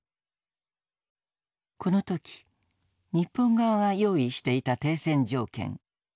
この時日本側が用意していた停戦条件。